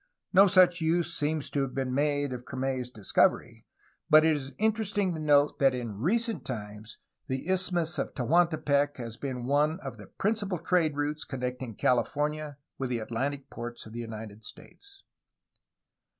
No such use seems to have been made of Crame's discovery, but it is interesting to note that in recent times the Isthmus of Tehuantepec has been one of the principal trade routes connecting California with the Atlantic ports of the United States.